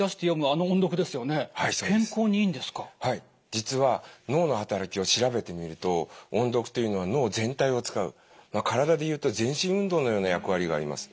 実は脳の働きを調べてみると音読というのは脳全体を使う体でいうと全身運動のような役割があります。